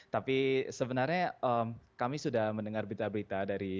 tapi sebenarnya kami sudah mendengar berita berita